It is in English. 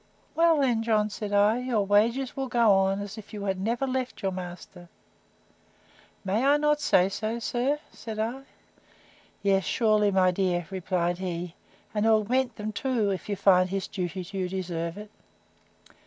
Well, then, John, said I, your wages will go on, as if you had not left your master: May I not say so, sir? said I. Yes, surely, my dear, replied he; and augment them too, if you find his duty to you deserves it.